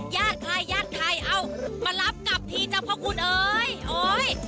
ญาติใครเอ้ามารับกลับทีเจ้าพ่อคุณเอ๋ยโอ้ย